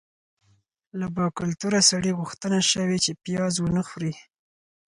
له باکلتوره سړي غوښتنه شوې چې پیاز ونه خوري.